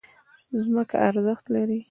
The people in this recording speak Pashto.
ځمکه ارزښت لري.